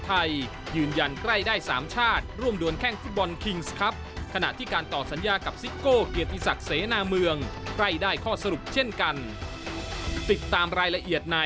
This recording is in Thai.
คุณผู้ชมครับวันนี้ที่วัดกลางบางพระค่อนข้างจะคึกคักนะครับ